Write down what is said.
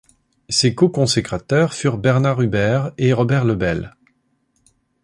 Ses coconsécrateurs furent Bernard Hubert et Robert Lebel.